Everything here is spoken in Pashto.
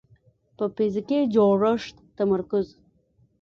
په فزیکي جوړښت تمرکز